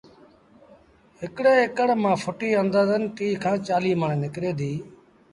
هڪڙي مآݩ ڦُٽيٚ آݩدآزن ٽيٚه کآݩ چآليٚه مڻ نڪري ديٚ